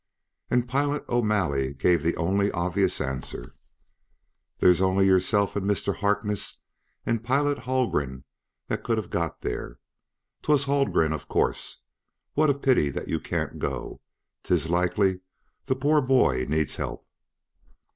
And Pilot O'Malley gave the only obvious answer: "There's only yourself and Mr. Harkness and Pilot Haldgren that could have got there. 'Twas Haldgren, of course! What a pity that you can't go; 'tis likely the poor bhoy needs help."